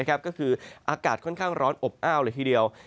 ก็คืออากาศค่อนข้างร้อนอบอ้าวเลยทีเดียว